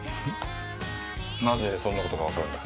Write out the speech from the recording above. なぜそんな事がわかるんだ？